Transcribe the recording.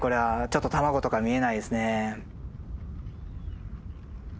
ちょっと卵とか見えないですね。